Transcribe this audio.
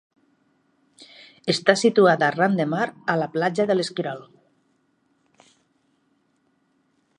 Està situada ran de mar a la platja de l'Esquirol.